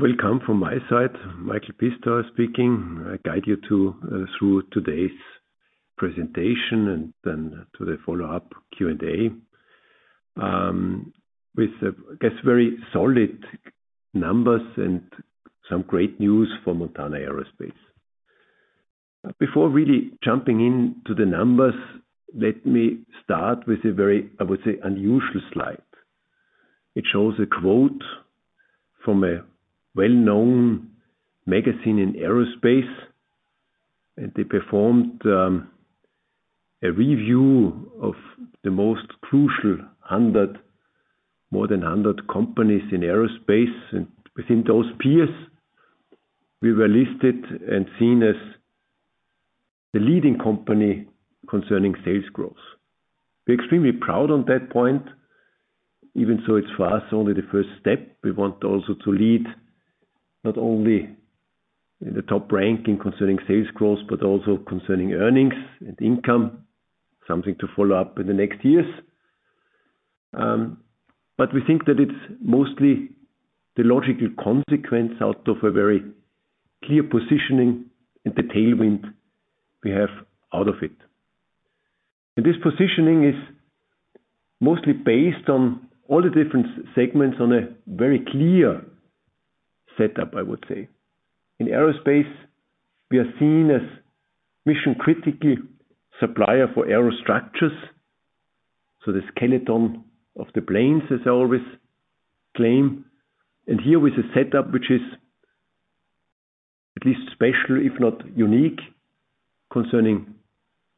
A warm welcome from my side, Michael Pistauer speaking. I guide you through today's presentation and then to the follow-up Q&A. With, I guess, very solid numbers and some great news for Montana Aerospace. Before really jumping into the numbers, let me start with a very, I would say, unusual slide. It shows a quote from a well-known magazine in aerospace, and they performed a review of the most crucial 100, more than 100 companies in aerospace. Within those peers, we were listed and seen as the leading company concerning sales growth. We're extremely proud on that point, even so it's for us, only the first step. We want also to lead, not only in the top ranking concerning sales growth, but also concerning earnings and income, something to follow up in the next years. But we think that it's mostly the logical consequence out of a very clear positioning and the tailwind we have out of it. This positioning is mostly based on all the different segments on a very clear setup, I would say. In aerospace, we are seen as mission-critical supplier for aerostructures, so the skeleton of the planes, as I always claim. Here with a setup which is at least special, if not unique, concerning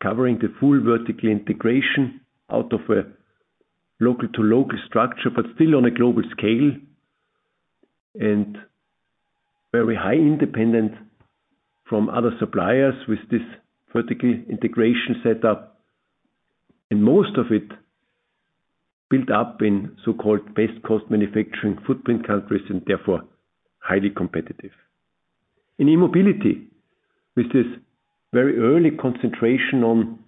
covering the full vertical integration out of a local-to-local structure, but still on a global scale. Very high independent from other suppliers with this vertical integration setup, and most of it built up in so-called best-cost manufacturing footprint countries and therefore, highly competitive. In mobility, with this very early concentration on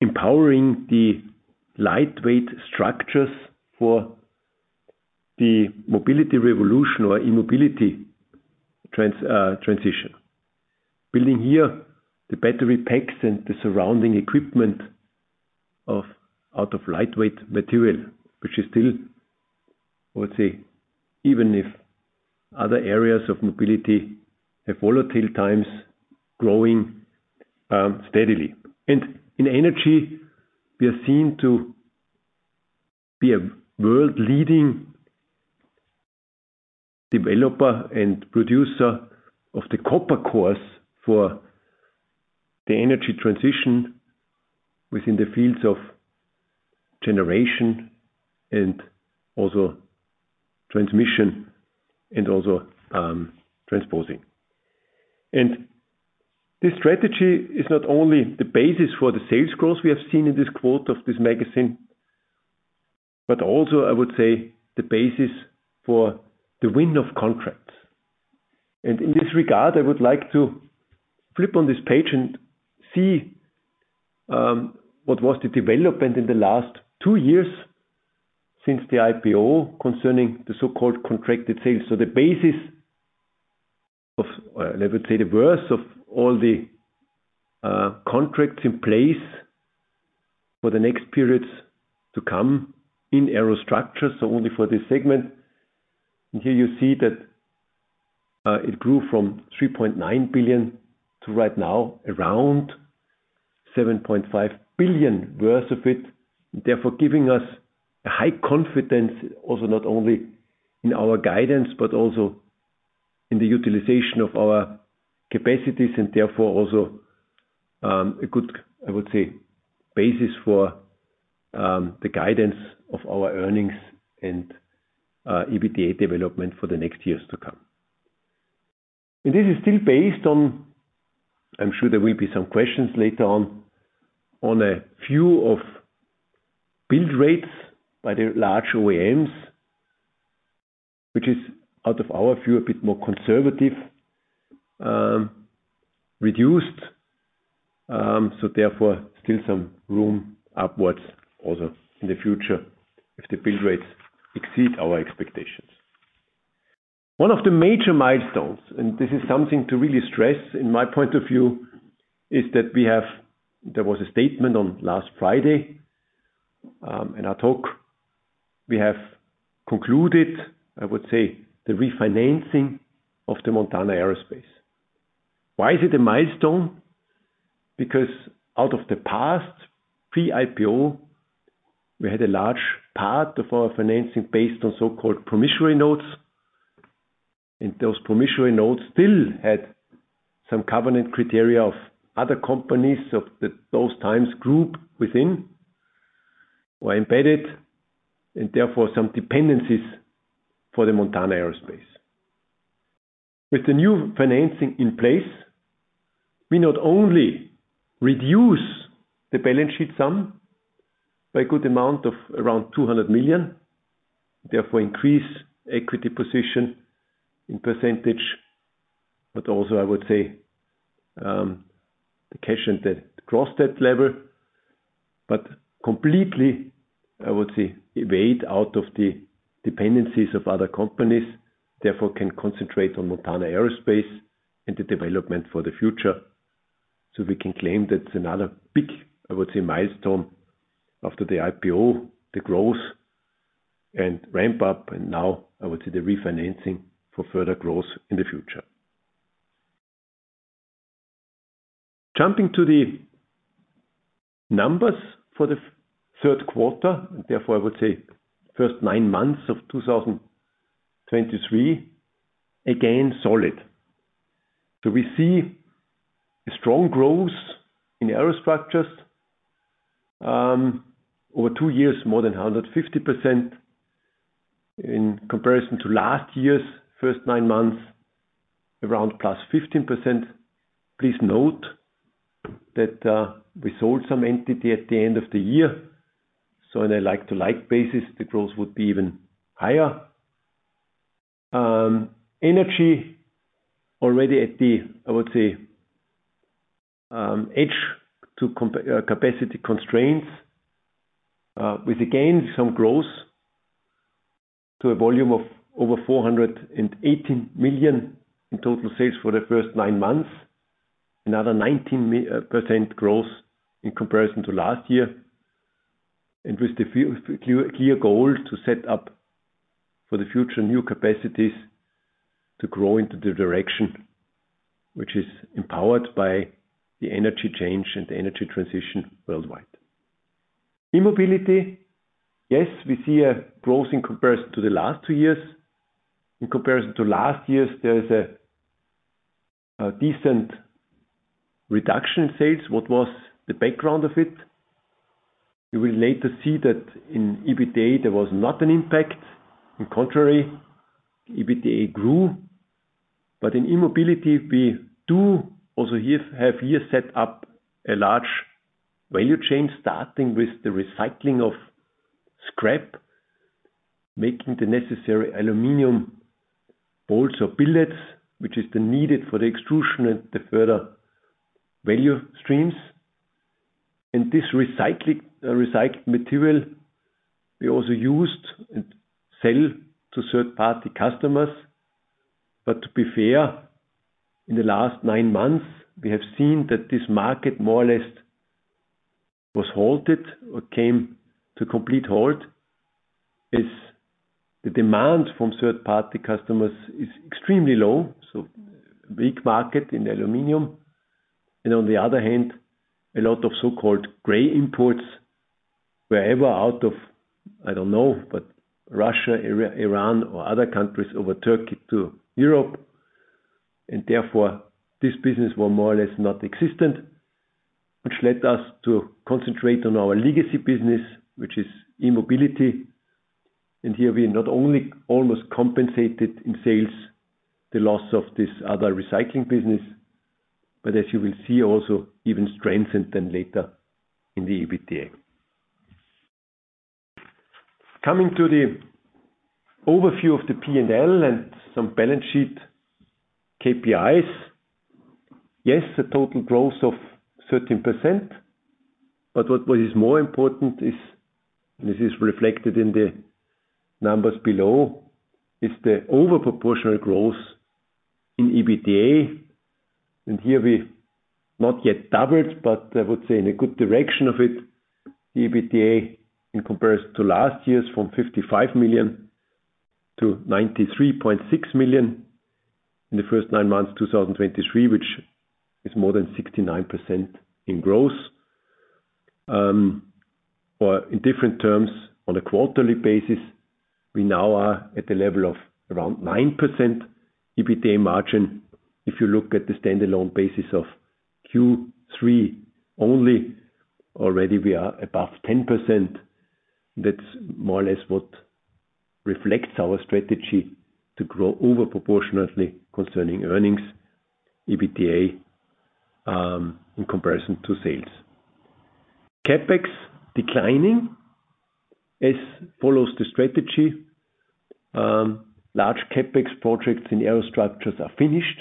empowering the lightweight structures for the mobility revolution or e-mobility transition. Building here, the battery packs and the surrounding equipment out of lightweight material, which is still, I would say, even if other areas of mobility have volatile times, growing steadily. And in energy, we are seen to be a world-leading developer and producer of the copper cores for the energy transition within the fields of generation and also transmission, and also transporting. And this strategy is not only the basis for the sales growth we have seen in this quote of this magazine, but also, I would say, the basis for the win of contracts. And in this regard, I would like to flip on this page and see what was the development in the last two years since the IPO, concerning the so-called contracted sales. So the basis of, let me say, the worth of all the contracts in place for the next periods to come in aerostructures, so only for this segment. And here you see that it grew from 3.9 billion to right now, around 7.5 billion worth of it. Therefore, giving us a high confidence, also, not only in our guidance, but also in the utilization of our capacities, and therefore, also, a good, I would say, basis for the guidance of our earnings and EBITDA development for the next years to come. And this is still based on, I'm sure there will be some questions later on, on a few of build rates by the large OEMs, which is out of our view, a bit more conservative, reduced. So therefore, still some room upwards, also in the future, if the build rates exceed our expectations. One of the major milestones, and this is something to really stress in my point of view, is that we have, there was a statement on last Friday in our talk, we have concluded, I would say, the refinancing of the Montana Aerospace. Why is it a milestone? Because out of the past, pre-IPO, we had a large part of our financing based on so-called promissory notes, and those promissory notes still had some covenant criteria of other companies of the Alu Menziken Group within, were embedded, and therefore, some dependencies for the Montana Aerospace. With the new financing in place, we not only reduce the balance sheet sum by a good amount of around 200 million, therefore, increase equity position in percentage, but also, I would say, the cash and debt, cross that level. But completely, I would say, weighed out of the dependencies of other companies, therefore, can concentrate on Montana Aerospace and the development for the future. So we can claim that's another big, I would say, milestone after the IPO, the growth and ramp up, and now I would say the refinancing for further growth in the future. Jumping to the numbers for the third quarter, and therefore, I would say first nine months of 2023, again, solid. So we see a strong growth in aerostructures, over two years, more than 150% in comparison to last year's first nine months, around +15%. Please note that, we sold some entity at the end of the year, so on a like-to-like basis, the growth would be even higher. Energy already at the, I would say, edging to capacity constraints, with, again, some growth to a volume of over 418 million in total sales for the first nine months. Another 19% growth in comparison to last year, and with the clear, clear goal to set up for the future new capacities to grow into the direction, which is empowered by the energy change and the energy transition worldwide. e-mobility, yes, we see a growth in comparison to the last two years. In comparison to last year's, there is a decent reduction in sales. What was the background of it? You will later see that in EBITDA, there was not an impact. On the contrary, EBITDA grew, but in e-mobility, we do also set up a large value chain, starting with the recycling of scrap, making the necessary aluminum billets, which is then needed for the extrusion and the further value streams. And this recycled material, we also use and sell to third-party customers. But to be fair, in the last nine months, we have seen that this market more or less was halted or came to a complete halt, as the demand from third-party customers is extremely low, so big market in aluminum. And on the other hand, a lot of so-called gray imports were ever out of, I don't know, but Russia, Iran, or other countries over Turkey to Europe, and therefore, this business was more or less not existent. Which led us to concentrate on our legacy business, which is e-mobility, and here we not only almost compensated in sales, the loss of this other recycling business, but as you will see, also even strengthened them later in the EBITDA. Coming to the overview of the P&L and some balance sheet KPIs. Yes, a total growth of 13%, but what, what is more important is, and this is reflected in the numbers below, is the overproportional growth in EBITDA. Here we not yet doubled, but I would say in a good direction of it, the EBITDA, in comparison to last year's, from 55 million to 93.6 million in the first nine months, 2023, which is more than 69% in growth. Or in different terms, on a quarterly basis, we now are at the level of around 9% EBITDA margin. If you look at the standalone basis of Q3 only, already we are above 10%. That's more or less what reflects our strategy to grow over proportionately concerning earnings, EBITDA, in comparison to sales. CapEx, declining, as follows the strategy. Large CapEx projects in aerostructures are finished,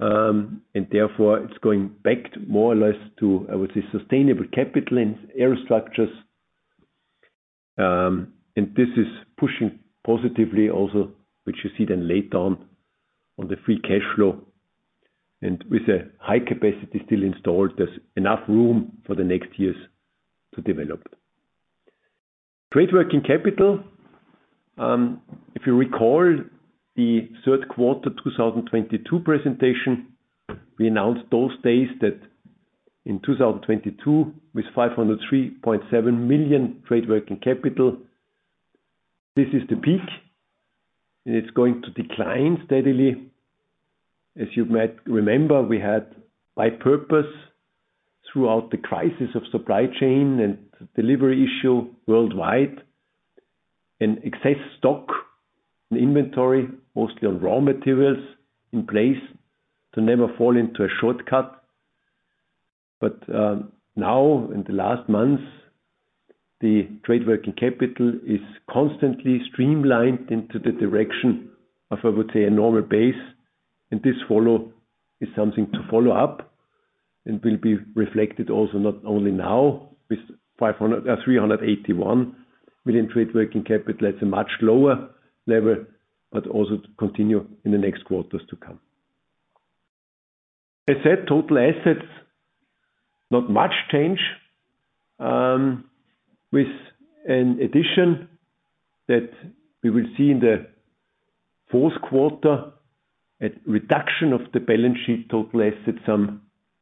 and therefore, it's going back more or less to, I would say, sustainable capital in aerostructures. And this is pushing positively also, which you see then later on, on the free cash flow. With a high capacity still installed, there's enough room for the next years to develop. Trade working capital, if you recall the third quarter 2022 presentation, we announced those days that in 2022, with 503.7 million trade working capital, this is the peak, and it's going to decline steadily. As you might remember, we had, by purpose, throughout the crisis of supply chain and delivery issue worldwide, an excess stock and inventory, mostly on raw materials, in place to never fall into a shortcut. But now, in the last months. The trade working capital is constantly streamlined into the direction of, I would say, a normal base, and this follow is something to follow up and will be reflected also, not only now, with 500, 381 million trade working capital at a much lower level, but also to continue in the next quarters to come. I said total assets, not much change, with an addition that we will see in the fourth quarter, a reduction of the balance sheet, total asset, sum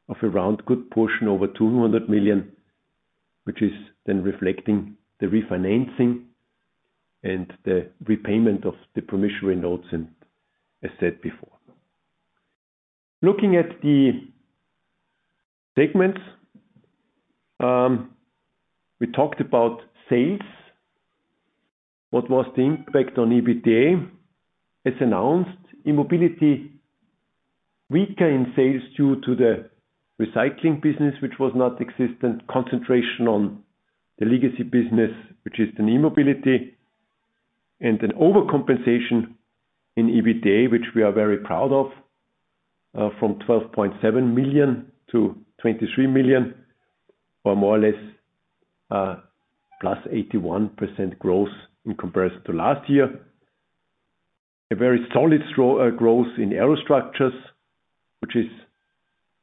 of around good portion, over 200 million, which is then reflecting the refinancing and the repayment of the promissory notes, and I said before. Looking at the segments, we talked about sales. What was the impact on EBITDA? As announced, e-mobility weaker in sales due to the recycling business, which was not existent. Concentration on the legacy business, which is the e-mobility, and an overcompensation in EBITDA, which we are very proud of, from 12.7 million-23 million, or more or less, +81% growth in comparison to last year. A very solid growth in aerostructures, which is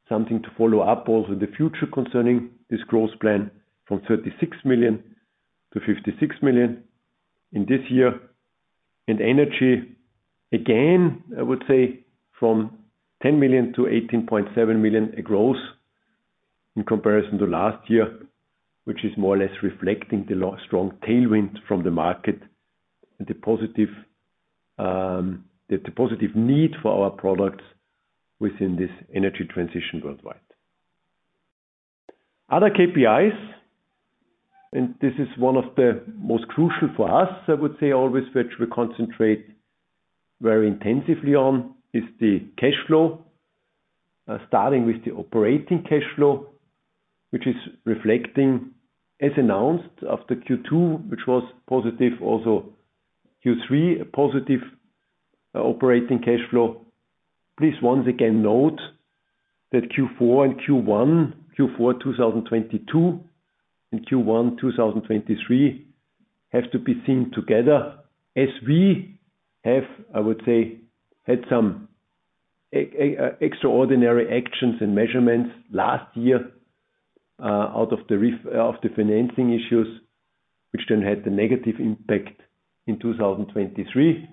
something to follow up also in the future concerning this growth plan from 36 million-56 million in this year. And energy, again, I would say from 10 million-18.7 million, a growth in comparison to last year, which is more or less reflecting the strong tailwind from the market and the positive need for our products within this energy transition worldwide. Other KPIs, and this is one of the most crucial for us, I would say always, which we concentrate very intensively on, is the cash flow. Starting with the operating cash flow, which is reflecting, as announced, after Q2, which was positive, also Q3, a positive operating cash flow. Please, once again, note that Q4 and Q1, Q4 2022, and Q1 2023, have to be seen together as we have, I would say, had some extraordinary actions and measurements last year out of the result of the financing issues, which then had the negative impact in 2023.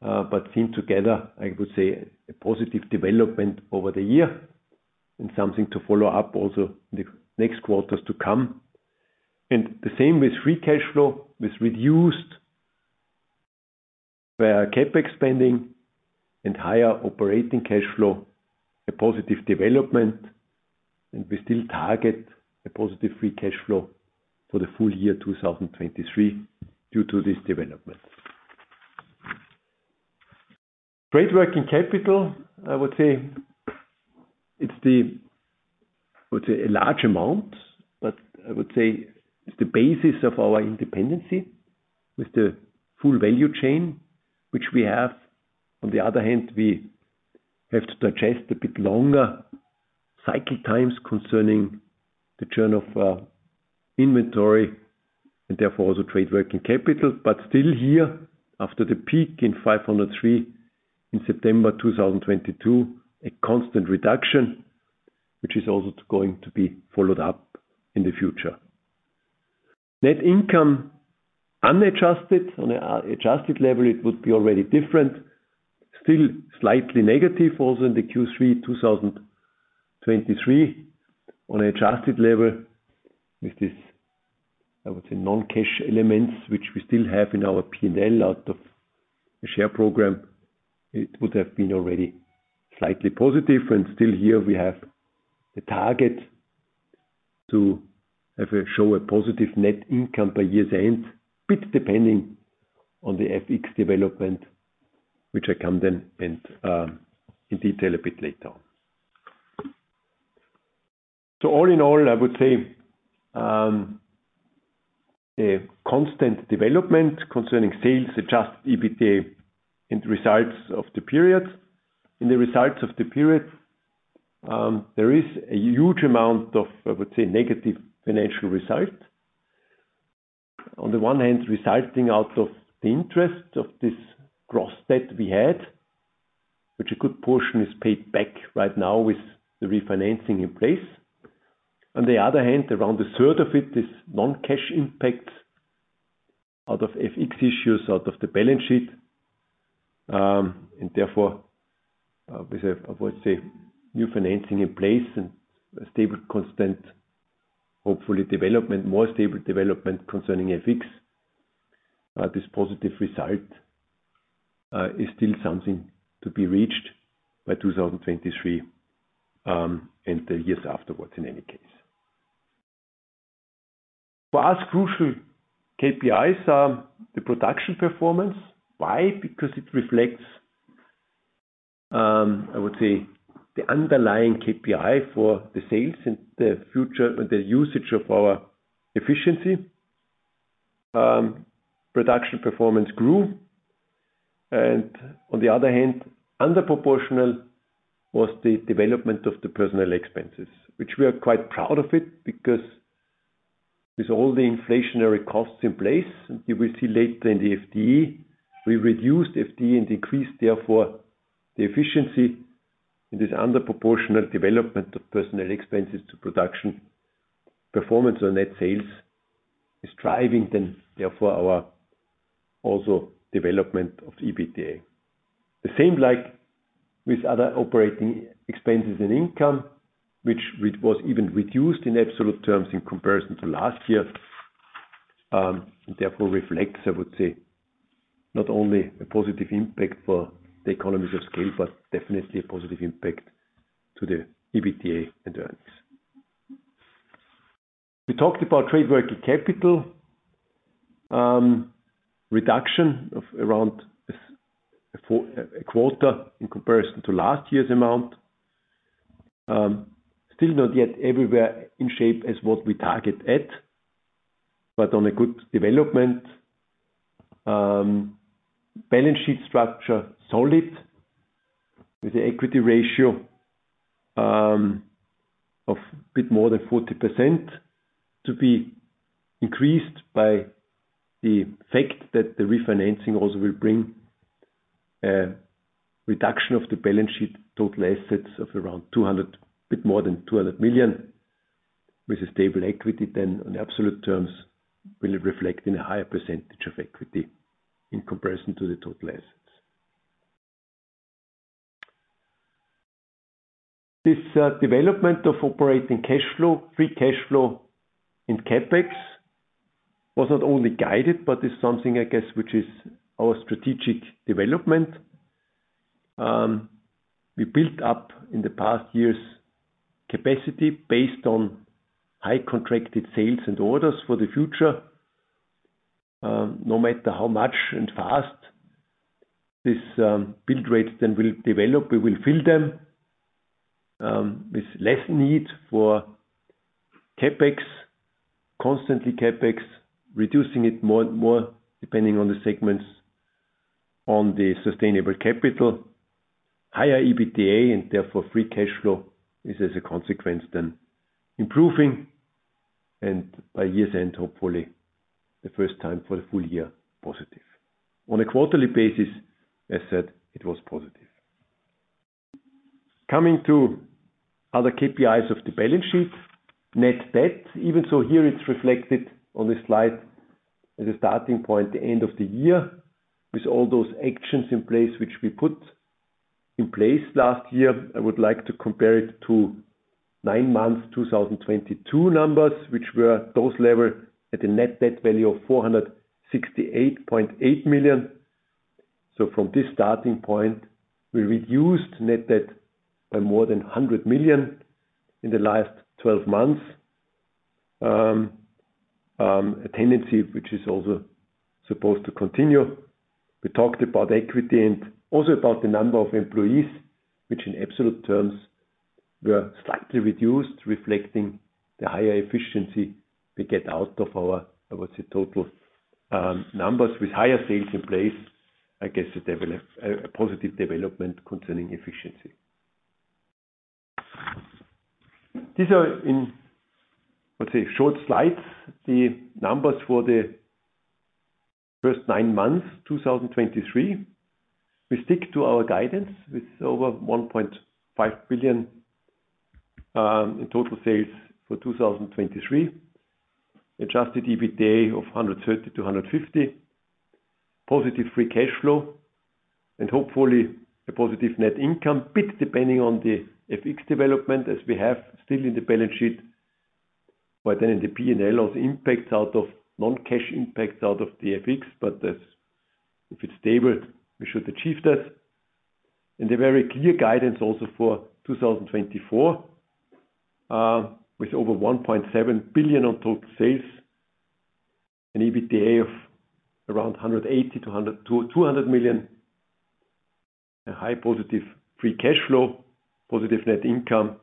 But seen together, I would say, a positive development over the year and something to follow up also in the next quarters to come. And the same with free cash flow, with reduced CapEx spending and higher operating cash flow, a positive development, and we still target a positive free cash flow for the full year 2023, due to this development. Trade working capital, I would say, it's the, I would say, a large amount, but I would say it's the basis of our independency with the full value chain, which we have. On the other hand, we have to digest a bit longer cycle times concerning the turn of, inventory and therefore, also trade working capital. But still here, after the peak in 503 in September 2022, a constant reduction, which is also going to be followed up in the future. Net income, unadjusted. On an, adjusted level, it would be already different. Still slightly negative also in the Q3 2023. On an adjusted level, with this, I would say, non-cash elements, which we still have in our P&L out of the share program, it would have been already slightly positive, and still here we have the target to, if we show a positive net income by year's end, bit depending on the FX development, which I come then in, in detail a bit later on. So all in all, I would say, a constant development concerning sales, adjusted EBITDA, and results of the period. In the results of the period, there is a huge amount of, I would say, negative financial result. On the one hand, resulting out of the interest of this gross debt we had, which a good portion is paid back right now with the refinancing in place. On the other hand, around a third of it is non-cash impact out of FX issues, out of the balance sheet, and therefore, we have, I would say, new financing in place and a stable, constant, hopefully development, more stable development concerning FX. This positive result is still something to be reached by 2023, and the years afterwards, in any case. For us, crucial KPIs are the production performance. Why? Because it reflects. I would say the underlying KPI for the sales and the future and the usage of our efficiency, production performance grew. On the other hand, under proportional was the development of the personnel expenses, which we are quite proud of it, because with all the inflationary costs in place, you will see later in the FTE, we reduced FTE and decreased, therefore, the efficiency in this under proportional development of personnel expenses to production. Performance on net sales is driving then, therefore, our also development of EBITDA. The same like with other operating expenses and income, which was even reduced in absolute terms in comparison to last year. Therefore, reflects, I would say, not only a positive impact for the economies of scale, but definitely a positive impact to the EBITDA and earnings. We talked about trade working capital, reduction of around a quarter in comparison to last year's amount. Still not yet everywhere in shape as what we target at, but on a good development. Balance sheet structure, solid, with the equity ratio of a bit more than 40%, to be increased by the fact that the refinancing also will bring a reduction of the balance sheet, total assets of around 200 million, a bit more than 200 million. With a stable equity then, in absolute terms, will reflect in a higher percentage of equity in comparison to the total assets. This development of operating cash flow, free cash flow in CapEx, was not only guided, but is something, I guess, which is our strategic development. We built up in the past years, capacity based on high contracted sales and orders for the future. No matter how much and fast this build rates then will develop, we will fill them with less need for CapEx, constantly CapEx, reducing it more and more, depending on the segments on the sustainable capital. Higher EBITDA, and therefore, free cash flow is as a consequence than improving, and by year's end, hopefully, the first time for a full year, positive. On a quarterly basis, as said, it was positive. Coming to other KPIs of the balance sheet, net debt, even so here, it's reflected on this slide as a starting point, the end of the year, with all those actions in place, which we put in place last year. I would like to compare it to nine months, 2022 numbers, which were those level at a net debt value of 468.8 million. So from this starting point, we reduced net debt by more than 100 million in the last 12 months. A tendency which is also supposed to continue. We talked about equity and also about the number of employees, which in absolute terms, were slightly reduced, reflecting the higher efficiency we get out of our, I would say, total numbers. With higher sales in place, I guess, a positive development concerning efficiency. These are in, let's say, short slides, the numbers for the first nine months, 2023. We stick to our guidance with over 1.5 billion in total sales for 2023. Adjusted EBITDA of 130 million-150 million. Positive free cash flow and hopefully a positive net income, a bit depending on the FX development as we have still in the balance sheet, but then in the PNL, all the impacts out of non-cash impacts out of the FX, but that's if it's stable, we should achieve that. And a very clear guidance also for 2024 with over 1.7 billion on total sales, an EBITDA of around 180 million-200 million, a high positive free cash flow, positive net income,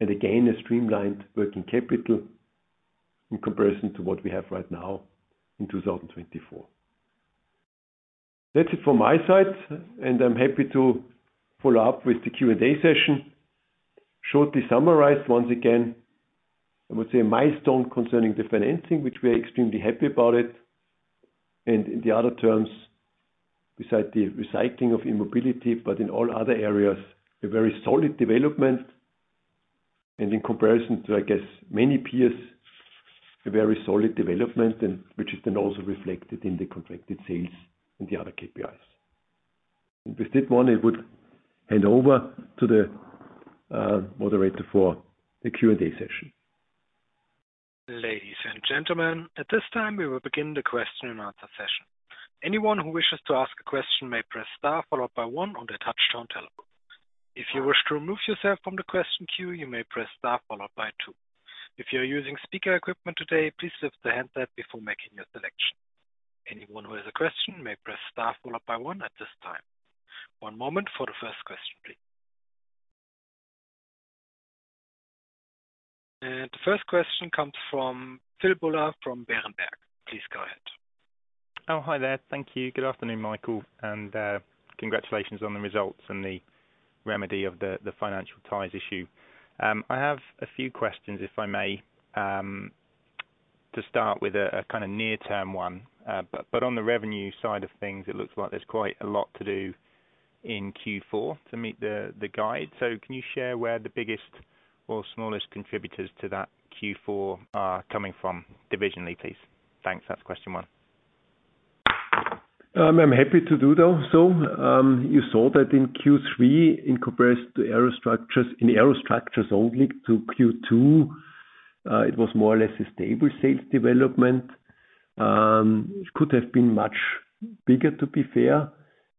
and again, a streamlined working capital in comparison to what we have right now in 2024. That's it from my side, and I'm happy to follow up with the Q&A session. Shortly summarize, once again, I would say a milestone concerning the financing, which we are extremely happy about it. In the other terms, besides the recycling of e-mobility, but in all other areas, a very solid development. In comparison to, I guess, many peers, a very solid development, and which is then also reflected in the contracted sales and the other KPIs. With that one, I would hand over to the moderator for the Q&A session. Ladies and gentlemen, at this time, we will begin the Q&A session. Anyone who wishes to ask a question may press star, followed by one on their touchtone telephone. If you wish to remove yourself from the question queue, you may press star, followed by two. If you're using speaker equipment today, please lift the handset before making your selection. Anyone who has a question may press star, followed by one at this time. One moment for the first question, please. And the first question comes from Phil Buller from Berenberg. Please go ahead. Oh, hi there. Thank you. Good afternoon, Michael, and congratulations on the results and the remedy of the financial ties issue. I have a few questions, if I may, to start with a kind of near-term one. But on the revenue side of things, it looks like there's quite a lot to do in Q4 to meet the guide. So can you share where the biggest or smallest contributors to that Q4 are coming from divisionally, please? Thanks. That's question one. I'm happy to do though, so, you saw that in Q3, in comparison to aerostructures, in aerostructures only to Q2, it was more or less a stable sales development. It could have been much bigger, to be fair,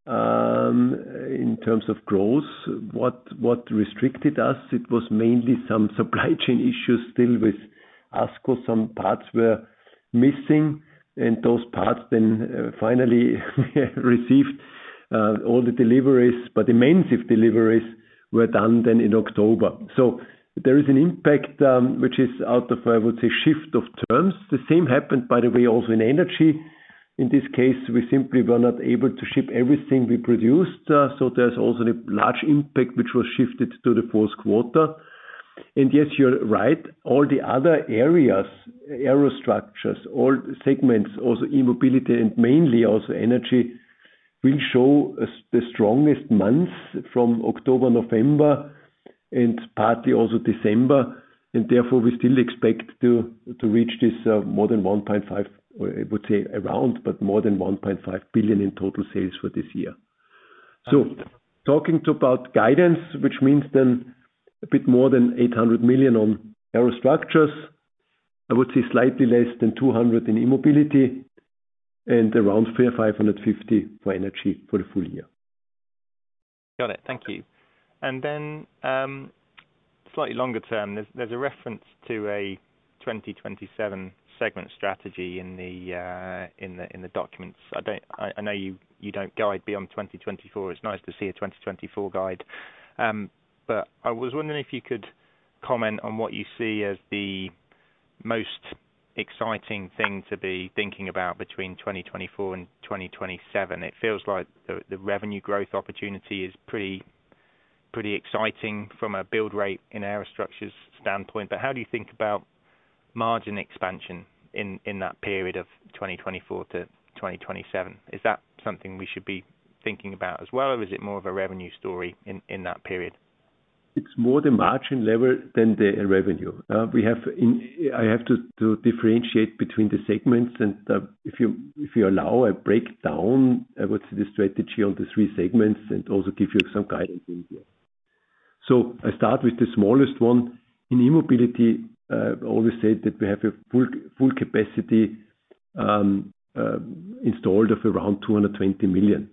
in terms of growth. What restricted us, it was mainly some supply chain issues still with ASCO. Some parts were missing, and those parts then finally received all the deliveries, but the main deliveries were done then in October. So there is an impact, which is out of, I would say, shift of terms. The same happened, by the way, also in energy. In this case, we simply were not able to ship everything we produced, so there's also the large impact, which was shifted to the fourth quarter. And yes, you're right. All the other areas, aerostructures, all segments, also e-mobility, and mainly also energy, will show us the strongest months from October, November, and partly also December. And therefore, we still expect to, to reach this, more than 1.5 billion in total sales for this year. So, talking about guidance, which means then a bit more than 800 million on aerostructures. I would say slightly less than 200 million in e-mobility and around 350million-550 million for energy for the full year. Got it. Thank you. And then, slightly longer term, there's a reference to a 2027 segment strategy in the documents. I don't—I know you don't guide beyond 2024. It's nice to see a 2024 guide. But I was wondering if you could comment on what you see as the most exciting thing to be thinking about between 2024 and 2027. It feels like the revenue growth opportunity is pretty exciting from a build rate in aerostructures standpoint, but how do you think about margin expansion in that period of 2024 to 2027? Is that something we should be thinking about as well, or is it more of a revenue story in that period? It's more the margin level than the revenue. I have to differentiate between the segments and, if you allow, I break down, I would say, the strategy on the three segments and also give you some guidance here. So I start with the smallest one. In e-mobility, I always say that we have a full, full capacity installed of around 220 million.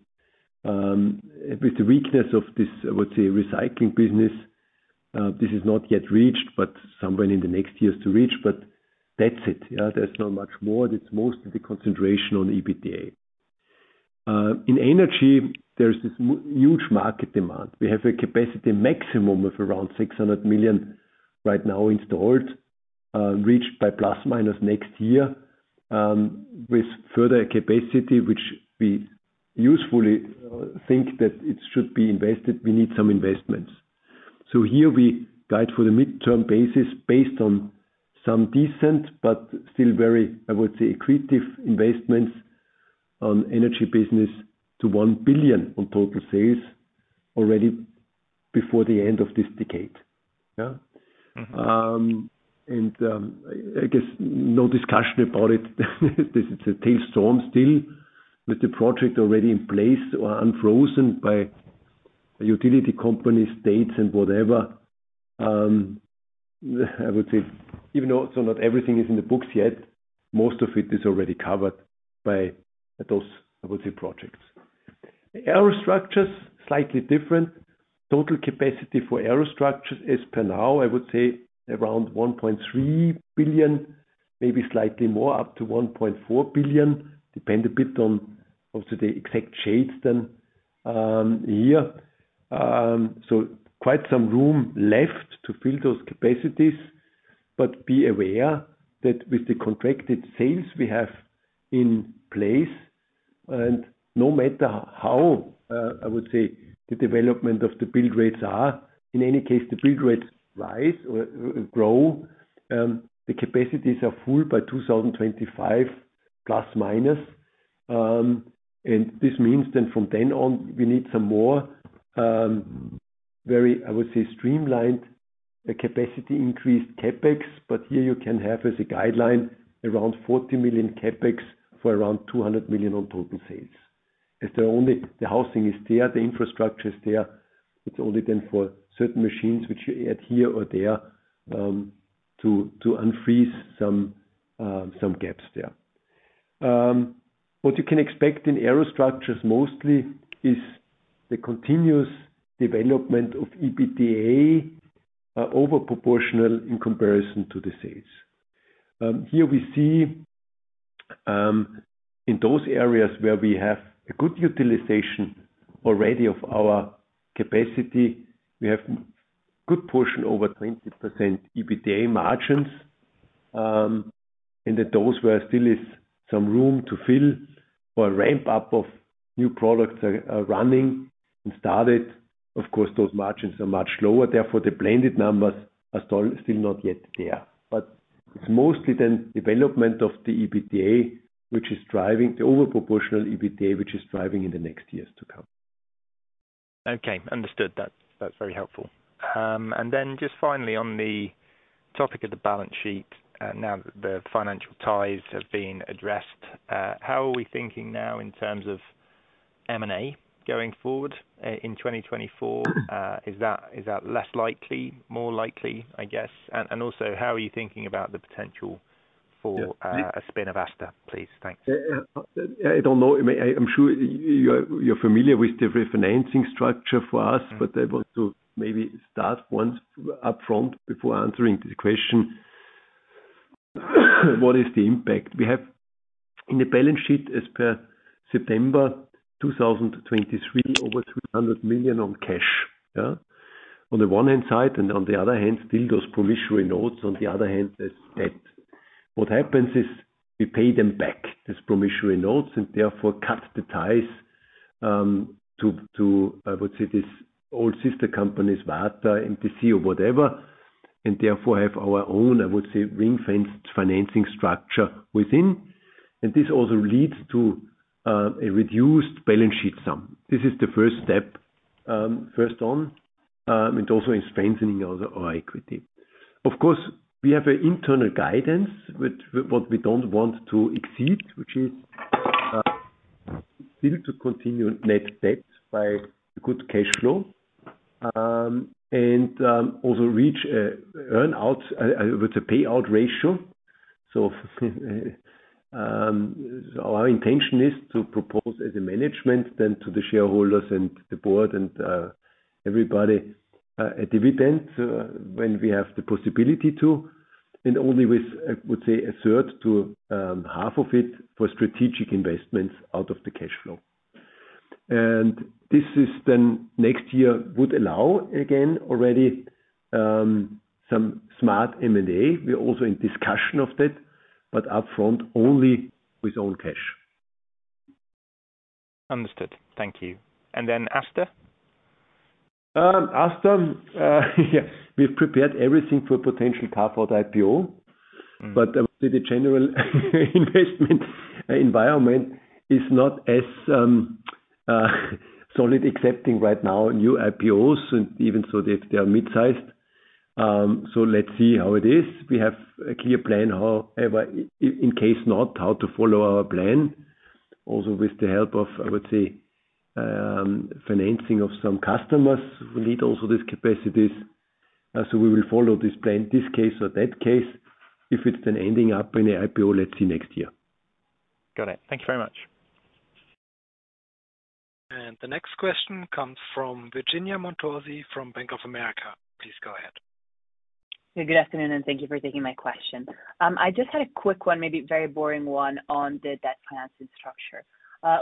With the weakness of this, I would say, recycling business, this is not yet reached, but somewhere in the next years to reach, but that's it. Yeah, there's not much more. It's mostly the concentration on EBITDA. In energy, there's this huge market demand. We have a capacity maximum of around 600 million right now installed, reached by ± next year, with further capacity, which we usefully think that it should be invested. We need some investments. So here we guide for the mid-term basis based on some decent but still very, I would say, creative investments on energy business to 1 billion on total sales already before the end of this decade. Yeah. I guess no discussion about it. This is a tail storm still, with the project already in place or unfrozen by utility companies, states and whatever. I would say, even though so not everything is in the books yet, most of it is already covered by those, I would say, projects. Aerostructures, slightly different. Total capacity for aerostructures as per now, I would say around 1.3 billion, maybe slightly more, up to 1.4 billion, depend a bit on also the exact shades then, here. So quite some room left to fill those capacities, but be aware that with the contracted sales we have in place, and no matter how, I would say, the development of the build rates are, in any case, the build rates rise or grow, the capacities are full by 2025, ±. And this means then from then on, we need some more, very, I would say, streamlined, the capacity increased CapEx, but here you can have as a guideline, around 40 million CapEx for around 200 million on total sales. As the only, the housing is there, the infrastructure is there. It's only then for certain machines which you add here or there, to unfreeze some gaps there. What you can expect in aerostructures mostly is the continuous development of EBITDA. Are over proportional in comparison to the sales. Here we see, in those areas where we have a good utilization already of our capacity, we have good portion, over 20% EBITDA margins. And that those where still is some room to fill or ramp up of new products are running and started. Of course, those margins are much lower, therefore, the blended numbers are still not yet there. But it's mostly the development of the EBITDA, which is driving the over proportional EBITDA, which is driving in the next years to come. Okay, understood. That's, that's very helpful. And then just finally, on the topic of the balance sheet, now that the financial ties have been addressed, how are we thinking now in terms of M&A going forward, in 2024? Is that, is that less likely, more likely, I guess? And, and also, how are you thinking about the potential for a spin of ASTA, please? Thanks. I don't know. I'm sure you're familiar with the refinancing structure for us, but I want to maybe start once upfront before answering the question. What is the impact? We have in the balance sheet as per September 2023, over 300 million on cash, yeah? On the one hand side, and on the other hand, still those promissory notes, on the other hand, there's debt. What happens is, we pay them back, these promissory notes, and therefore cut the ties, to, I would say, this old sister companies, Varta, MTC or whatever, and therefore have our own, I would say, ring-fenced financing structure within. And this also leads to, a reduced balance sheet sum. This is the first step, first on, and also in strengthening of our equity. Of course, we have an internal guidance, which—what we don't want to exceed—which is still to continue net debt by good cash flow. And also reach earn out with the payout ratio. So, our intention is to propose, as a management, then to the shareholders and the board and everybody, a dividend when we have the possibility to, and only with, I would say, a third to half of it, for strategic investments out of the cash flow. And this is then, next year would allow, again, already, some smart M&A. We are also in discussion of that, but upfront, only with own cash. Understood. Thank you. And then ASTA? As to, yeah, we've prepared everything for a potential path for the IPO. But the general investment environment is not as solid accepting right now, new IPOs, and even so if they are mid-sized. So let's see how it is. We have a clear plan, however, in case not, how to follow our plan. Also, with the help of, I would say, financing of some customers, who need also this capacities. So we will follow this plan, this case or that case, if it's been ending up in a IPO, let's see, next year. Got it. Thank you very much. The next question comes from Virginia Montorsi, from Bank of America. Please go ahead. Good afternoon, and thank you for taking my question. I just had a quick one, maybe very boring one, on the debt financing structure.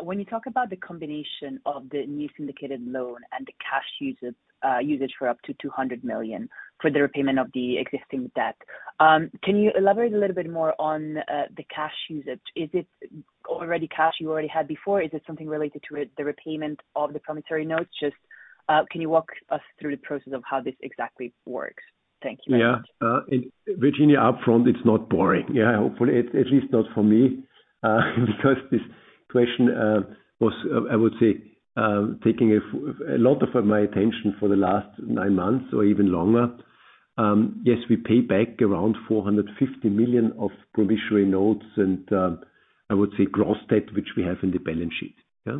When you talk about the combination of the new syndicated loan and the cash usage, usage for up to 200 million for the repayment of the existing debt, can you elaborate a little bit more on the cash usage? Is it already cash you already had before? Is it something related to the repayment of the promissory notes? Just, can you walk us through the process of the process of how this exactly works? Thank you. Yeah. And Virginia, upfront, it's not boring. Yeah, hopefully, at least not for me. Because this question was, I would say, taking a lot of my attention for the last nine months or even longer. Yes, we pay back around 450 million of promissory notes, and, I would say gross debt, which we have in the balance sheet. Yeah.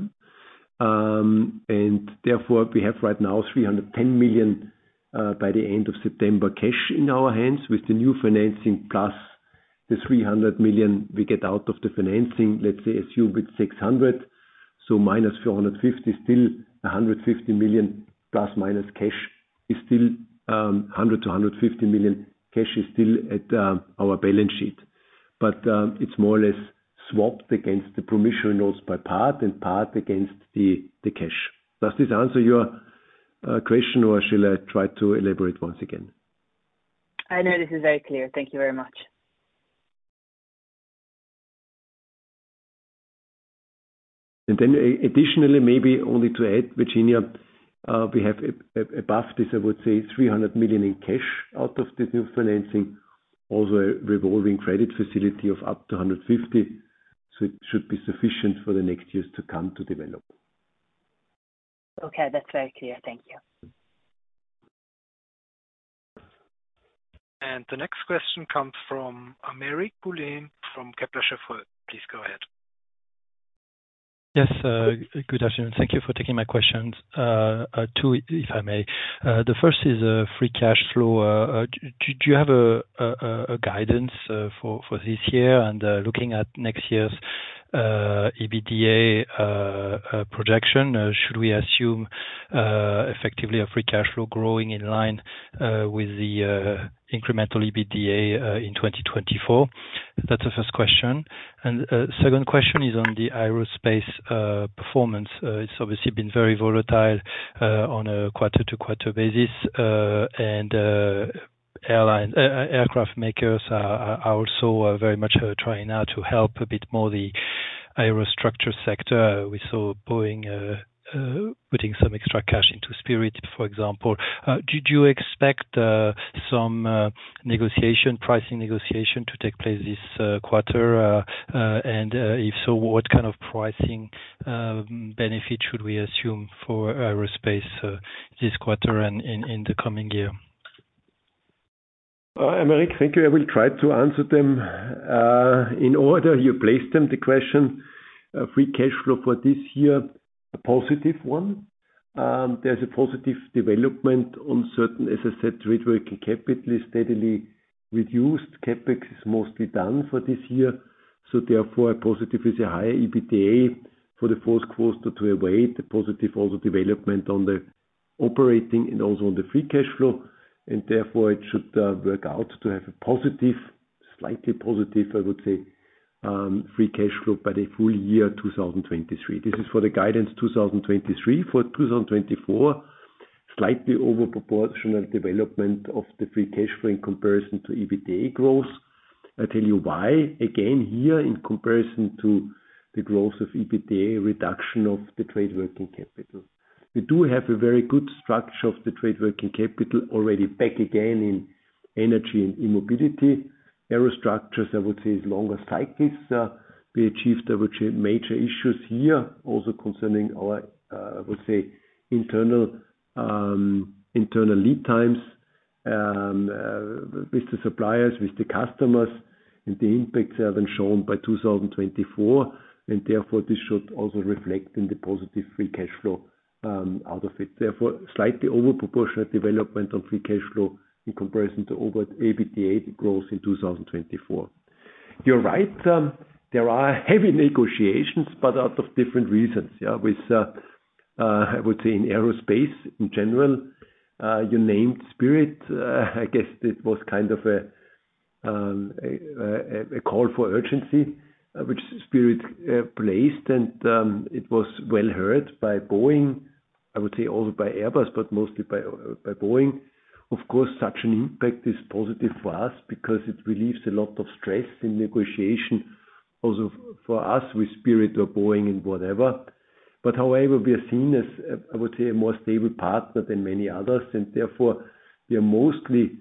And therefore, we have right now 310 million, by the end of September, cash in our hands, with the new financing, plus the 300 million we get out of the financing, let's say, assume it's 600 million. So minus 450 million, still a 150 million, plus minus cash, is still, 100 million-150 million cash is still at, our balance sheet. But, it's more or less swapped against the promissory notes by part, and part against the cash. Does this answer your question, or shall I try to elaborate once again? I know, this is very clear. Thank you very much. Then additionally, maybe only to add, Virginia, we have above this, I would say, 300 million in cash out of the new financing. Also, revolving credit facility of up to 150 million, so it should be sufficient for the next years to come, to develop. Okay, that's very clear. Thank you. The next question comes from Aymeric Poulain, from Kepler Cheuvreux. Please go ahead. Yes, good afternoon. Thank you for taking my questions. Two, if I may. The first is free cash flow. Do you have a guidance for this year and looking at next year's? EBITDA projection, should we assume effectively a free cash flow growing in line with the incremental EBITDA in 2024? That's the first question. Second question is on the aerospace performance. It's obviously been very volatile on a quarter-to-quarter basis, and airline aircraft makers are also very much trying now to help a bit more the aerostructure sector. We saw Boeing putting some extra cash into Spirit, for example. Did you expect some negotiation, pricing negotiation to take place this quarter? And if so, what kind of pricing benefit should we assume for aerospace this quarter and in the coming year? Hi, Aymeric, thank you. I will try to answer them in order you place them. The question, free cash flow for this year, a positive one. There's a positive development on certain, as I said, trade working capital, steadily reduced. CapEx is mostly done for this year, so therefore, a positive is a higher EBITDA for the fourth quarter to await the positive also development on the operating and also on the free cash flow. And therefore, it should work out to have a positive, slightly positive, I would say, free cash flow by the full year, 2023. This is for the guidance, 2023. For 2024, slightly over proportional development of the free cash flow in comparison to EBITDA growth. I tell you why. Again, here, in comparison to the growth of EBITDA, reduction of the trade working capital. We do have a very good structure of the trade working capital already back again in energy and e-mobility. Aerostructures, I would say, is longer cycles. We achieved, I would say, major issues here, also concerning our, I would say, internal, internal lead times, with the suppliers, with the customers, and the impacts have been shown by 2024, and therefore, this should also reflect in the positive free cash flow out of it. Therefore, slightly over proportionate development on free cash flow in comparison to over EBITDA, it grows in 2024. You're right, there are heavy negotiations, but out of different reasons. Yeah, with, I would say in aerospace in general, you named Spirit. I guess it was kind of a call for urgency, which Spirit placed, and it was well heard by Boeing. I would say also by Airbus, but mostly by Boeing. Of course, such an impact is positive for us because it relieves a lot of stress in negotiation also for us with Spirit or Boeing and whatever. But however, we are seen as, I would say, a more stable partner than many others, and therefore we are mostly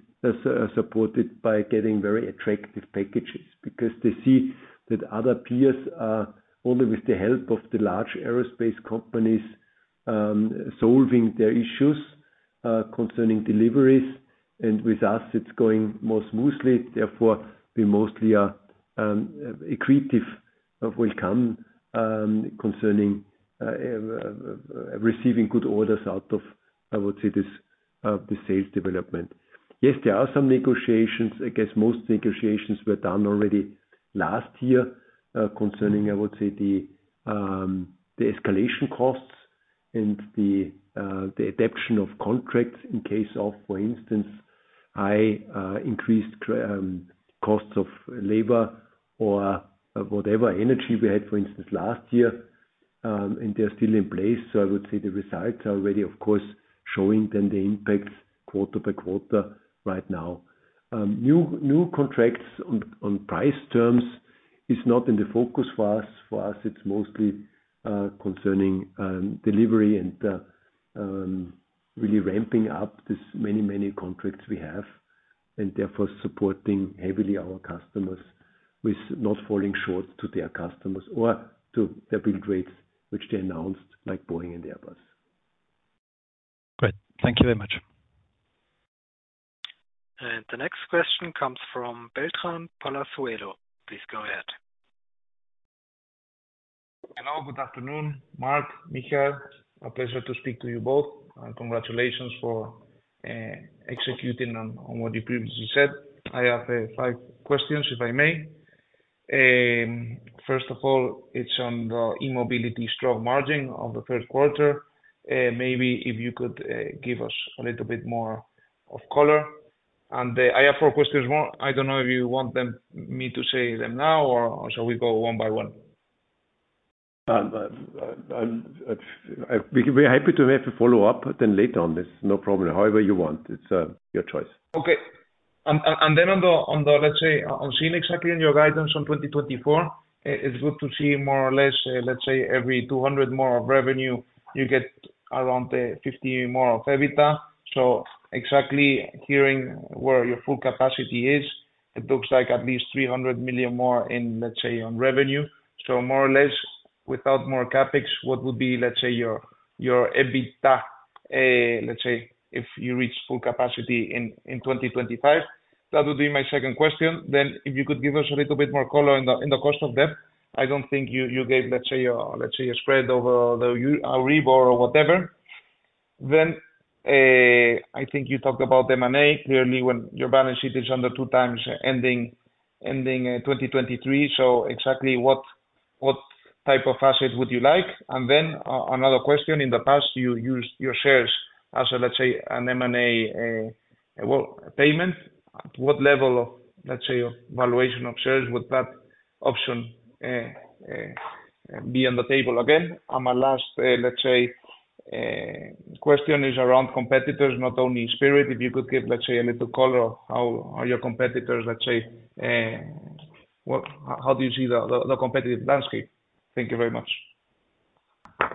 supported by getting very attractive packages. Because they see that other peers are only with the help of the large aerospace companies, solving their issues concerning deliveries, and with us it's going more smoothly, therefore, we mostly are accretive of welcome, concerning receiving good orders out of, I would say, this the sales development. Yes, there are some negotiations. I guess most negotiations were done already last year, concerning, I would say, the, the escalation costs and the, the adaptation of contracts in case of, for instance, high, increased, costs of labor or whatever energy we had, for instance, last year, and they're still in place. So I would say the results are already, of course, showing them the impact quarter by quarter right now. New, new contracts on, on price terms is not in the focus for us. For us, it's mostly, concerning, delivery and, really ramping up this many, many contracts we have, and therefore, supporting heavily our customers with not falling short to their customers or to their build rates, which they announced, like Boeing and Airbus. Great. Thank you very much. The next question comes from Beltrán Palazuelo. Please go ahead. Hello, good afternoon, Marc, Michael. It's a pleasure to speak to you both, and congratulations for executing on what you previously said. I have five questions, if I may. First of all, it's on the e-mobility strong margin of the first quarter. Maybe if you could give us a little bit more color. I have four questions more. I don't know if you want me to say them now, or shall we go one by one? We're happy to have a follow-up, then later on. There's no problem. However you want. It's your choice. Okay. And then on the, let's say, on seeing exactly in your guidance on 2024, it's good to see more or less, let's say, every 200 more of revenue, you get around 50 more of EBITDA. So exactly hearing where your full capacity is, it looks like at least 300 million more in, let's say, on revenue. So more or less, without more CapEx, what would be, let's say, your, your EBITDA, let's say, if you reach full capacity in 2025? That would be my second question. Then if you could give us a little bit more color in the, in the cost of debt. I don't think you, you gave, let's say, a spread over the Euribor or whatever. Then, I think you talked about M&A, clearly when your balance sheet is under two times ending 2023. So exactly what type of assets would you like? And then, another question, in the past, you used your shares as, let's say, an M&A, well, payment. What level of, let's say, valuation of shares, would that option be on the table again? And my last question is around competitors, not only Spirit. If you could give, let's say, a little color on how are your competitors, let's say, how do you see the competitive landscape? Thank you very much.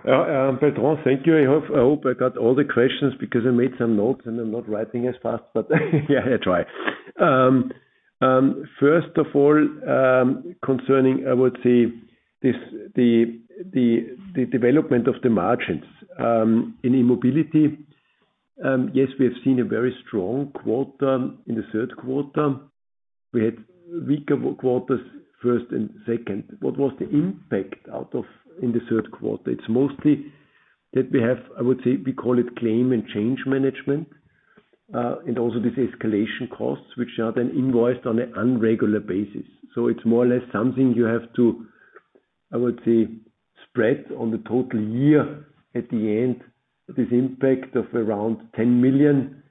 Pedro, thank you. I hope, I hope I got all the questions because I made some notes, and I'm not writing as fast, but yeah, I try. First of all, concerning, I would say, this, the development of the margins, in mobility. Yes, we have seen a very strong quarter in the third quarter. We had weaker quarters, first and second. What was the impact out of in the third quarter? It's mostly that we have, I would say, we call it claim and change management, and also this escalation costs, which are then invoiced on an unregular basis. So it's more or less something you have to, I would say, spread on the total year at the end, this impact of around 10 million,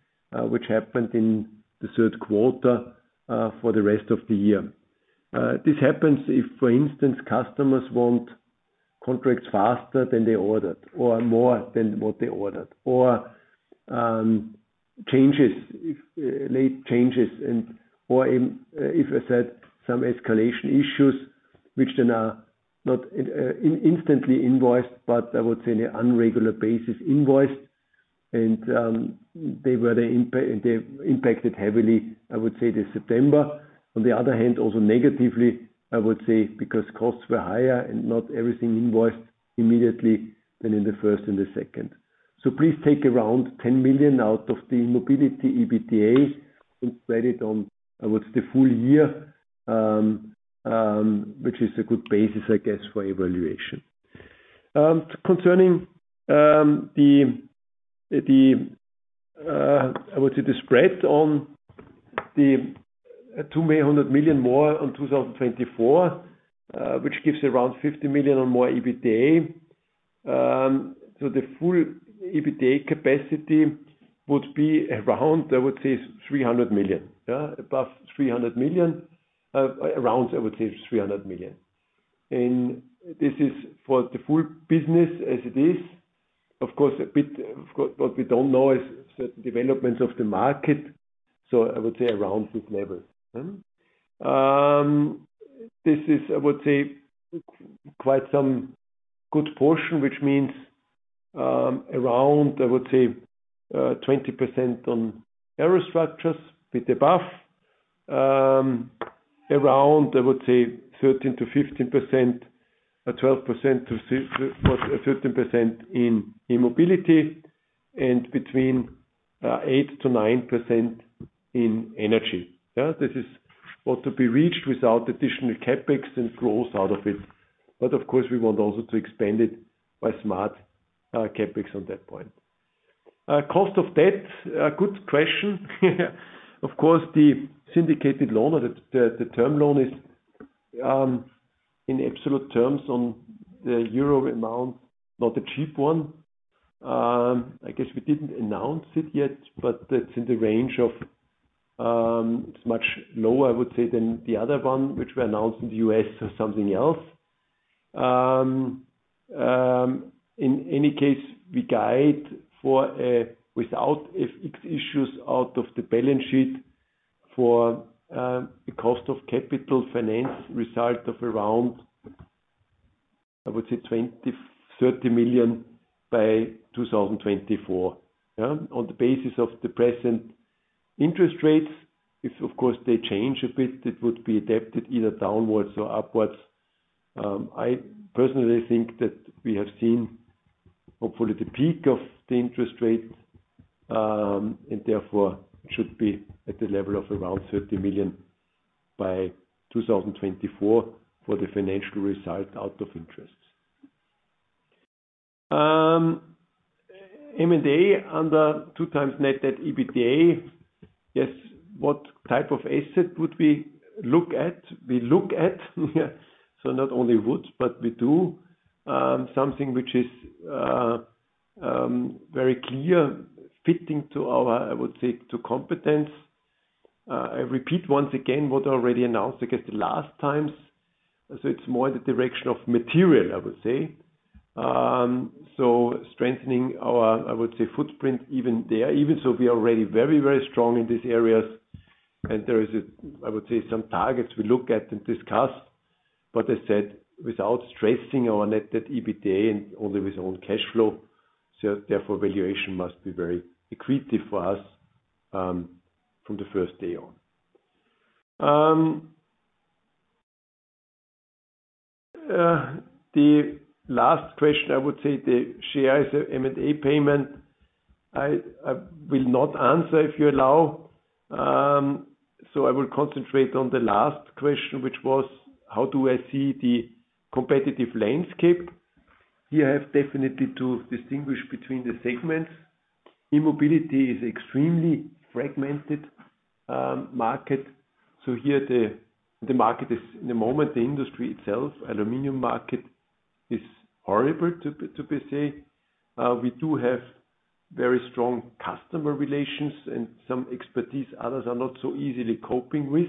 which happened in the third quarter, for the rest of the year. This happens if, for instance, customers want contracts faster than they ordered or more than what they ordered, or changes, if late changes or if I said, some escalation issues, which then are not instantly invoiced, but I would say, in an irregular basis, invoiced. And they impacted heavily, I would say, this September. On the other hand, also negatively, I would say, because costs were higher and not everything invoiced immediately than in the first and the second. So please take around 10 million out of the mobility EBITDA, and spread it on, I would say, the full year, which is a good basis, I guess, for evaluation. Concerning the spread on the 200 million more on 2024, which gives around 50 million or more EBITDA. So the full EBITDA capacity would be around, I would say, 300 million. Yeah, above 300 million, around, I would say, 300 million. And this is for the full business as it is. Of course, what we don't know is certain developments of the market, so I would say around this level. This is quite some good portion, which means around, I would say, 20% on aerostructures, bit above. Around, I would say 13%-15%, or 12%-14% in e-mobility, and between 8%-9% in energy. Yeah, this is what to be reached without additional CapEx and growth out of it. But of course, we want also to expand it by smart CapEx on that point. Cost of debt, a good question. Of course, the syndicated loan or the term loan is, in absolute terms on the euro amount, not a cheap one. I guess we didn't announce it yet, but it's in the range of, it's much lower, I would say, than the other one, which we announced in the US or something else. In any case, we guide for, without, if it issues out of the balance sheet for, a cost of capital finance result of around, I would say, 20 million-30 million by 2024. Yeah, on the basis of the present interest rates, if of course, they change a bit, it would be adapted either downwards or upwards. I personally think that we have seen, hopefully, the peak of the interest rates, and therefore, should be at the level of around 30 million by 2024 for the financial result out of interests. M&A, under 2x net debt, EBITDA. Yes, what type of asset would we look at? We look at, so not only would, but we do. Something which is, very clear, fitting to our, I would say, to competence. I repeat once again, what already announced, I guess, the last times. So it's more in the direction of material, I would say. So strengthening our, I would say, footprint even there, even so we are already very, very strong in these areas. And there is a, I would say, some targets we look at and discuss, but I said, without stressing our net debt, EBITDA and only with own cash flow. So therefore, valuation must be very accretive for us, from the first day on. The last question, I would say, the shares of M&A payment. I, I will not answer, if you allow. So I will concentrate on the last question, which was: How do I see the competitive landscape? You have definitely to distinguish between the segments. E-mobility is extremely fragmented market, so here the, the market is, in the moment, the industry itself, aluminum market is horrible to be, say. We do have very strong customer relations and some expertise others are not so easily coping with,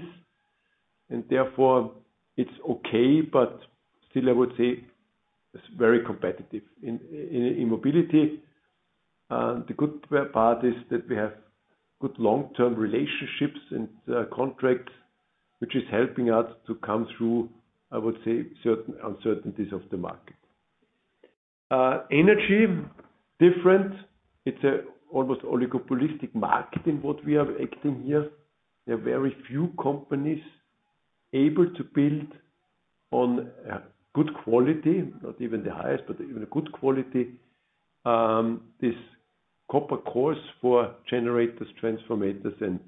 and therefore it's okay, but still, I would say it's very competitive in in mobility. The good part is that we have good long-term relationships and contracts, which is helping us to come through, I would say, certain uncertainties of the market. Energy, different. It's almost oligopolistic market in what we are acting here. There are very few companies able to build on a good quality, not even the highest, but even a good quality. This copper cores for generators, transformers, and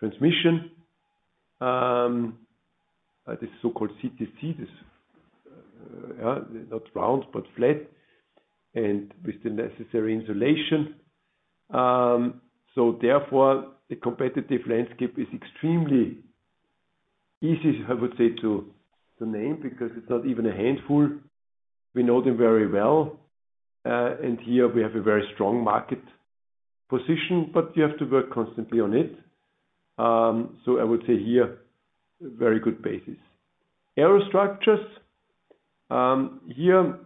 transmission. This so-called CTC, this not round, but flat and with the necessary insulation. So therefore, the competitive landscape is extremely easy, I would say, to name, because it's not even a handful. We know them very well, and here we have a very strong market position, but you have to work constantly on it. So I would say here, very good basis. Aerostructures, here,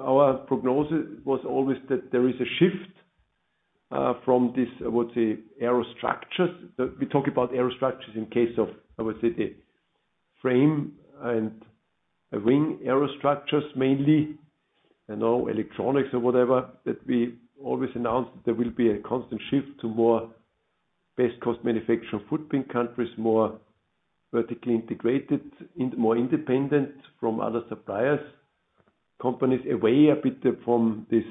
our prognosis was always that there is a shift, from this, I would say, aerostructures. We talk about aerostructures in case of, I would say, the frame and a wing aerostructures, mainly, and all electronics or whatever, that we always announce there will be a constant shift to more best-cost manufacturing footprint countries, more vertically integrated, in more independent from other suppliers. Companies away a bit from this,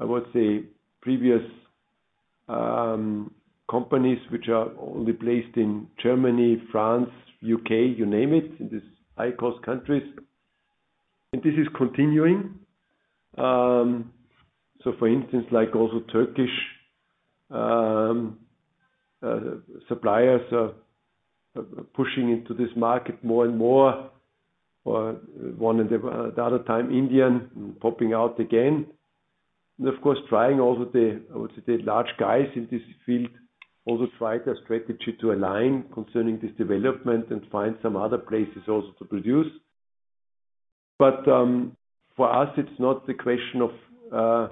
I would say, previous, companies which are only placed in Germany, France, U.K., you name it, in this high-cost countries, and this is continuing. So for instance, like also Turkish suppliers are pushing into this market more and more, or one in the other time, Indian popping out again. And of course, trying also the, I would say, large guys in this field also try their strategy to align concerning this development and find some other places also to produce. But for us, it's not the question of,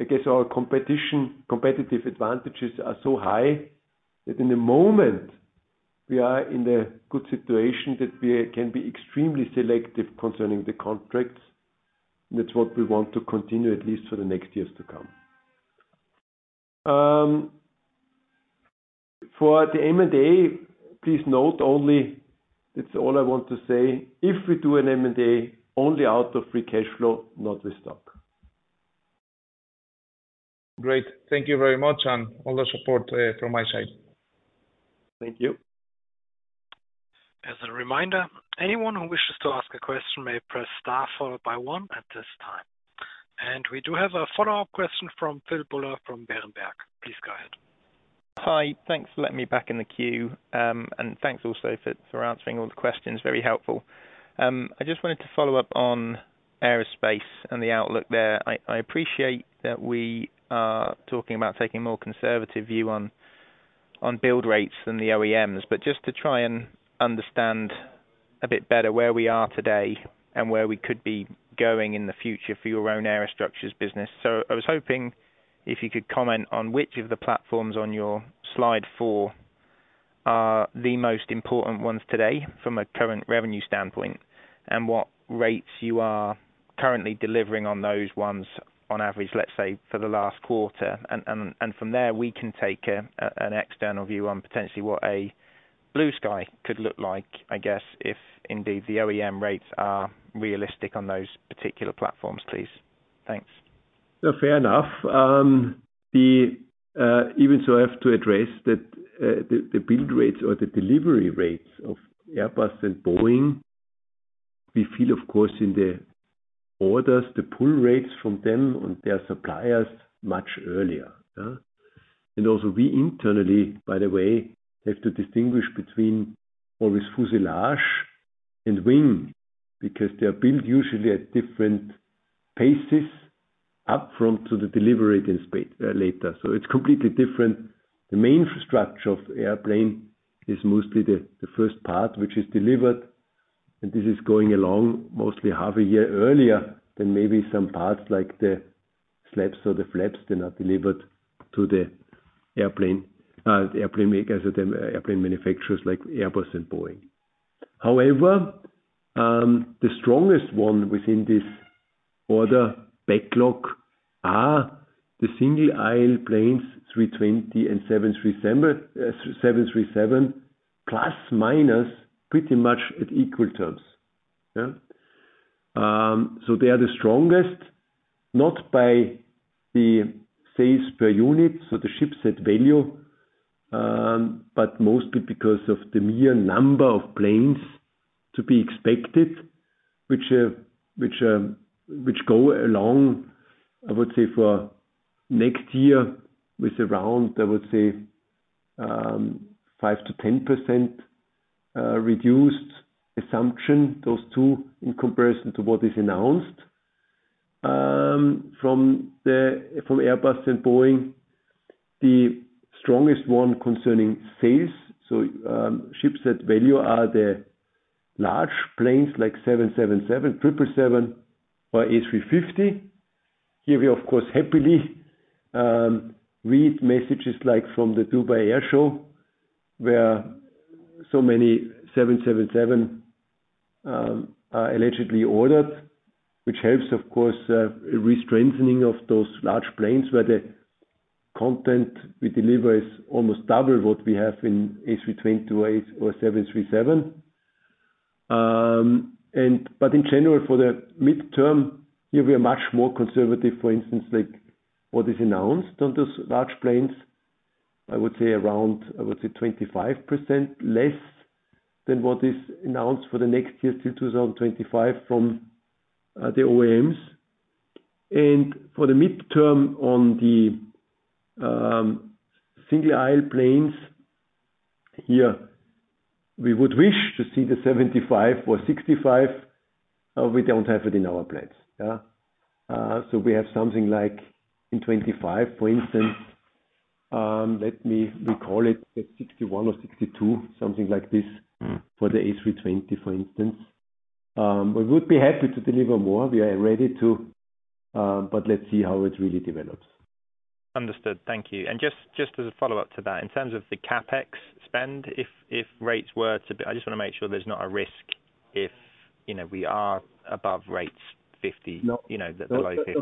I guess our competitive advantages are so high that in the moment we are in a good situation, that we can be extremely selective concerning the contracts. That's what we want to continue, at least for the next years to come. For the M&A, please note only, it's all I want to say, if we do an M&A, only out of free cash flow, not with stock. Great. Thank you very much, and all the support, from my side. Thank you. As a reminder, anyone who wishes to ask a question may press star followed by one at this time. We do have a follow-up question from Phil Buller, from Berenberg. Please go ahead. Hi, thanks for letting me back in the queue, and thanks also for answering all the questions. Very helpful. I just wanted to follow up on aerospace and the outlook there. I appreciate that we are talking about taking a more conservative view on build rates than the OEMs, but just to try and understand a bit better where we are today and where we could be going in the future for your own aerostructures business. So I was hoping if you could comment on which of the platforms on your slide four are the most important ones today from a current revenue standpoint, and what rates you are currently delivering on those ones on average, let's say, for the last quarter. From there, we can take an external view on potentially what a blue sky could look like, I guess, if indeed the OEM rates are realistic on those particular platforms, please. Thanks. Fair enough. Even so I have to address that, the build rates or the delivery rates of Airbus and Boeing, we feel, of course, in the orders, the pull rates from them on their suppliers much earlier, yeah? And also we internally, by the way, have to distinguish between always fuselage and wing, because they are built usually at different paces up from to the delivery in space, later. So it's completely different. The main structure of the airplane is mostly the first part which is delivered, and this is going along mostly half a year earlier than maybe some parts, like the slats or the flaps, they're not delivered to the airplane, the airplane makers or the airplane manufacturers, like Airbus and Boeing. However, the strongest one within this order backlog are the single-aisle planes, A320 and 737, ±, pretty much at equal terms. Yeah? So they are the strongest, not by the sales per unit, so the shipset value, but mostly because of the mere number of planes to be expected, which go along, I would say for next year, with around, I would say, 5%-10% reduced assumption. Those two, in comparison to what is announced. From Airbus and Boeing, the strongest one concerning sales, so, shipset value are the large planes, like 777, Triple Seven, or A350. Here we of course, happily, read messages like from the Dubai Airshow, where so many 777 are allegedly ordered. Which helps of course, re-strengthening of those large planes, where the content we deliver is almost double what we have in A320 or 737. But in general, for the midterm, here we are much more conservative, for instance, like, what is announced on those large planes. I would say around, I would say 25% less than what is announced for the next year, till 2025, from the OEMs. And for the midterm on the single-aisle planes, here, we would wish to see the 75 or 65. We don't have it in our plans, yeah. So we have something like in 2025, for instance, let me recall it, at 61 or 62, something like this, for the A320, for instance. We would be happy to deliver more. We are ready to, but let's see how it really develops. Understood. Thank you. Just as a follow-up to that, in terms of the CapEx spend, if rates were to—I just want to make sure there's not a risk if, you know, we are above rates fifty- No. You know, the low 50.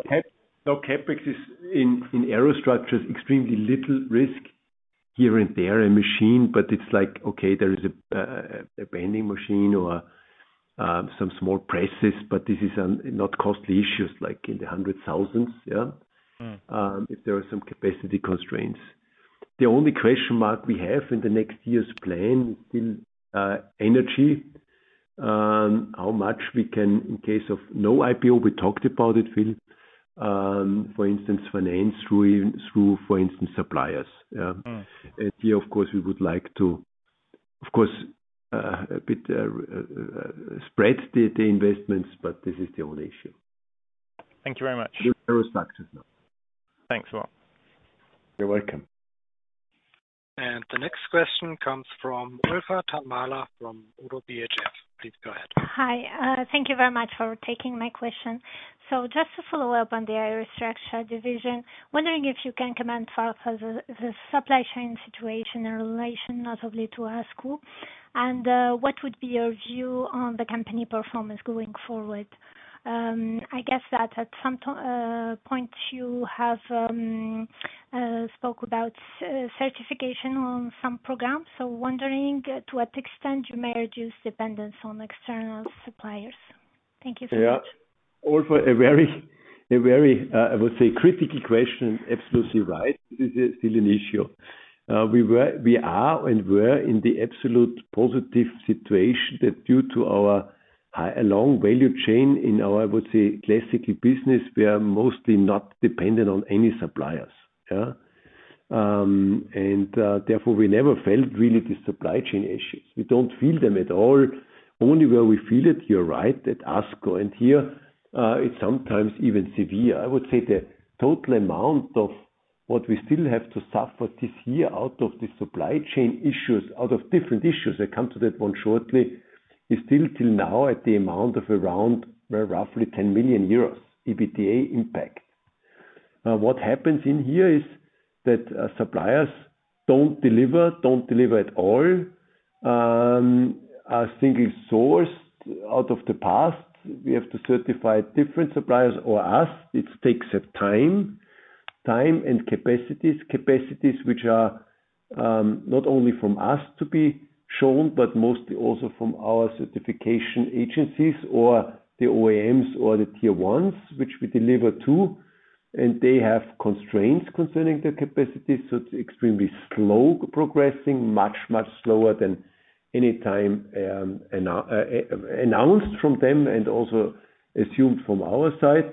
No, CapEx is in aerostructures extremely little risk here and there, a machine. But it's like, okay, there is a bending machine or some small presses, but this is not costly issues like in the EUR 100,000s, yeah? If there are some capacity constraints. The only question mark we have in the next year's plan is in energy. How much we can, in case of no IPO, we talked about it, Phil. For instance, finance through, through, for instance, suppliers. Here, of course, we would like to, of course, a bit spread the investments, but this is the only issue. Thank you very much. Aerostructures now. Thanks, well. You're welcome. The next question comes from Olfa Taamallah from ODDO BHF. Please go ahead. Hi. Thank you very much for taking my question. So just to follow up on the aerostructures division, wondering if you can comment further on the supply chain situation in relation possibly to ASCO? And what would be your view on the company performance going forward? I guess that at some point, you have spoke about certification on some programs. So wondering to what extent you may reduce dependence on external suppliers? Thank you so much. Yeah. Also a very, I would say, critical question. Absolutely right. This is still an issue. We are and were in the absolute positive situation that due to our high and long value chain in our, I would say, classical business, we are mostly not dependent on any suppliers, yeah? And, therefore, we never felt really the supply chain issues. We don't feel them at all. Only where we feel it, you're right, at ASCO, and here, it's sometimes even severe. I would say the total amount of what we still have to suffer this year out of the supply chain issues, out of different issues, I come to that one shortly, is still till now, at the amount of around, well, roughly 10 million euros, EBITDA impact. What happens here is that suppliers don't deliver, don't deliver at all. Are single sourced out of the past. We have to certify different suppliers or us. It takes up time, time and capacities. Capacities which are not only from us to be shown, but mostly also from our certification agencies or the OEMs or the Tier 1s, which we deliver to, and they have constraints concerning their capacity. So it's extremely slow progressing, much, much slower than any time announced from them and also assumed from our side.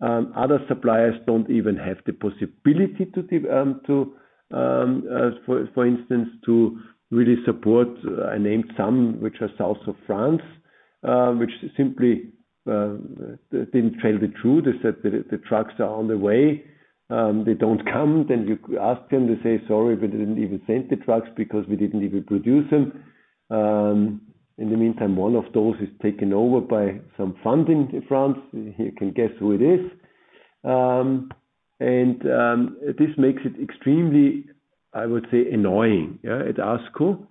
Other suppliers don't even have the possibility to, for instance, really support. I named some, which are south of France, which simply didn't tell the truth. They said the, the trucks are on the way. They don't come. Then you ask them, they say, "Sorry, we didn't even send the trucks because we didn't even produce them." In the meantime, one of those is taken over by some funding in France. You can guess who it is. And this makes it extremely, I would say, annoying, yeah, at ASCO.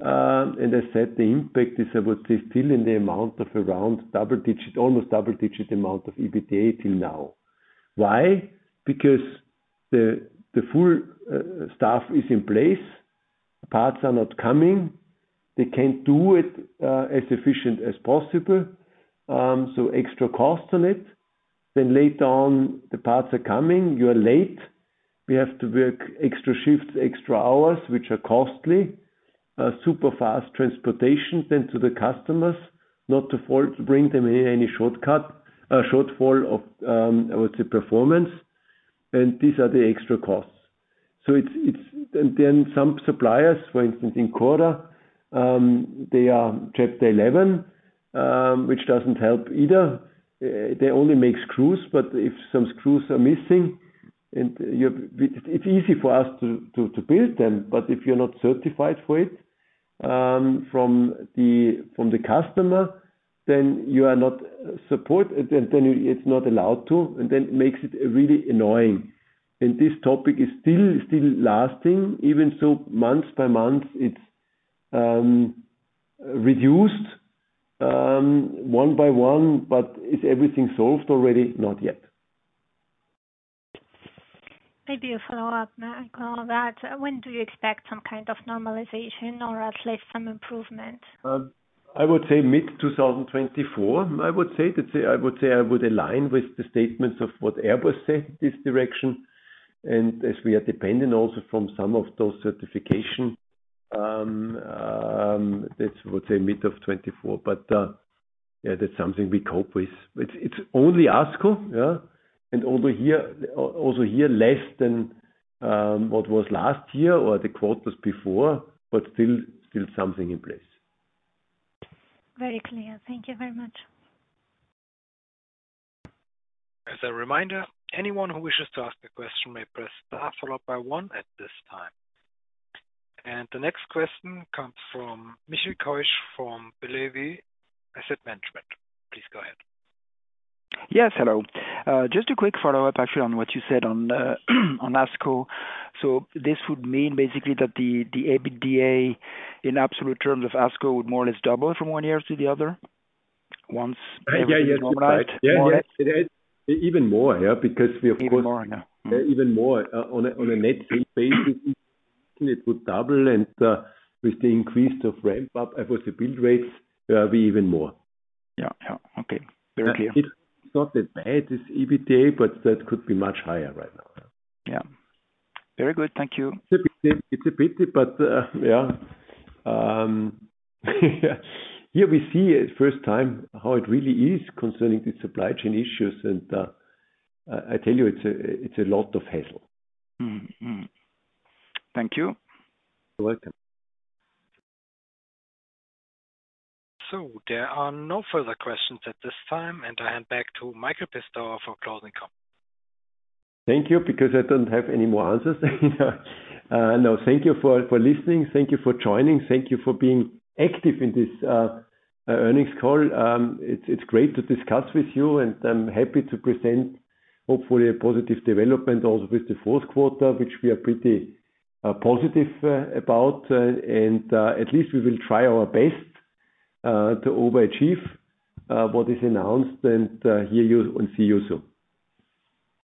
And I said the impact is, I would say, still in the amount of around double digit, almost double digit amount of EBITDA till now. Why? Because the, the full staff is in place. Parts are not coming, they can't do it as efficient as possible. So extra cost on it. Then later on, the parts are coming, you are late. We have to work extra shifts, extra hours, which are costly. Super fast transportation then to the customers, not to fall, to bring them in any shortcut, shortfall of, I would say, performance. And these are the extra costs. So it's—and then some suppliers, for instance, Incora, they are chapter 11, which doesn't help either. They only make screws, but if some screws are missing and you're—it's easy for us to build them, but if you're not certified for it, from the customer, then you are not support, and then it's not allowed to, and then makes it really annoying. And this topic is still lasting. Even so month by month, it's reduced one by one, but is everything solved already? Not yet. Maybe a follow-up on all that. When do you expect some kind of normalization or at least some improvement? I would say mid-2024. I would say, I would say I would align with the statements of what Airbus said, this direction, and as we are dependent also from some of those certification, that's what say mid of 2024. But, yeah, that's something we cope with. It's, it's only ASCO, yeah, and over here, also here, less than, what was last year or the quarters before, but still, still something in place. Very clear. Thank you very much. As a reminder, anyone who wishes to ask a question may press star followed by one at this time. The next question comes from Michel Keusch from Bellevue Asset Management. Please go ahead. Yes, hello. Just a quick follow-up, actually, on what you said on ASCO. So this would mean basically that the EBITDA, in absolute terms of ASCO, would more or less double from one year to the other, once- Yeah. Yeah, that's right. More or less? Even more, yeah, because we of course- Even more. Even more. On a net sales basis, it would double, and with the increase of ramp-up with the build rates, be even more. Yeah. Yeah. Okay. Very clear. It's not that bad, this EBITDA, but that could be much higher right now. Yeah. Very good. Thank you. It's a pity, but yeah, here we see it first time, how it really is concerning the supply chain issues, and I tell you, it's a lot of hassle. MmThank you. You're welcome. There are no further questions at this time, and I hand back to Michael Pistauer for closing comments. Thank you, because I don't have any more answers. No, thank you for listening. Thank you for joining. Thank you for being active in this earnings call. It's great to discuss with you, and I'm happy to present hopefully a positive development also with the fourth quarter, which we are pretty positive about. And at least we will try our best to overachieve what is announced, and hear you and see you soon.